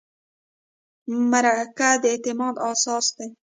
مرکه د اعتماد اساس دی.